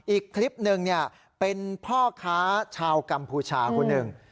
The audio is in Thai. อีกคลิปหนึ่งเป็นพ่อค้าชาวกัมพูชาคนหนึ่ง